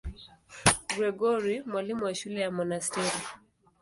Gregori, mwalimu wa shule ya monasteri.